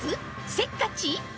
せっかち？